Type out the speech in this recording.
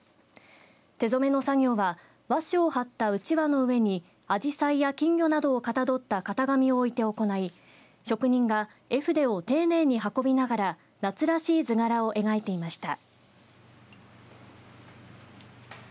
手染めの作業は和紙を張ったうちわの上にあじさいや金魚などをかたどった型紙を置いて行い職人が絵筆を丁寧に運びながら夏らしい図柄を描いていました。